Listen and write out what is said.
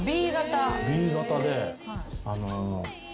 Ｂ型で。